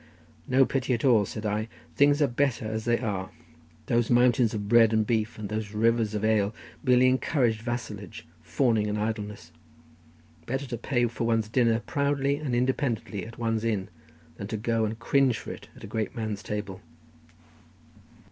"No pity at all," said I; "things are better as they are. Those mountains of bread and beef, and those rivers of ale merely encouraged vassalage, fawning and idleness; better to pay for one's dinner proudly and independently at one's inn, than to go and cringe for it at a great man's table."